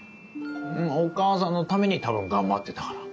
お母さんのために多分頑張ってたから。